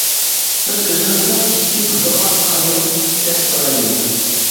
بىز ئۆزىمىزنىڭ ئىككى پۇتىغا تايىنىپ دەس تۇرايلى.